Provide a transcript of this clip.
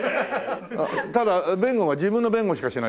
ただ弁護は自分の弁護しかしないけど。